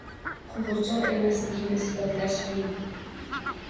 qo‘g‘irchoq emasligini isbotlash qiyin.